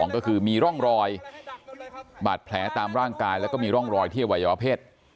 ก็คือมีร่องรอยบาดแผลตามร่างกายแล้วก็มีร่องรอยที่อวัยวเพศ